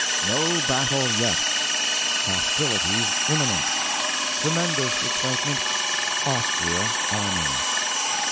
NO BATTLE YET!!! HOSTILITIES IMMINENT!!! TREMENDOUS EXCITEMENT. AUSTRIA ARMING!